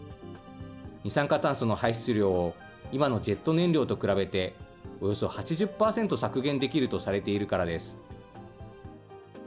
二酸化炭素の排出量を今のジェット燃料と比べて、およそ８０％削減できるとされているからです。